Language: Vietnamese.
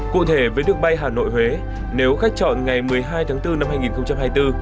cụ thể với đường bay hà nội huế nếu khách chọn ngày một mươi hai tháng bốn năm hai nghìn hai mươi bốn